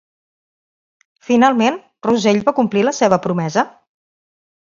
Finalment, Rosell va complir la seva promesa?